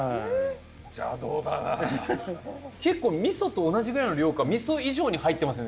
邪道だなあ結構味噌と同じぐらいの量か味噌以上に入ってますよね